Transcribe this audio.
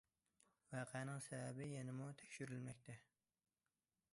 ۋەقەنىڭ سەۋەبى يەنىمۇ تەكشۈرۈلمەكتە.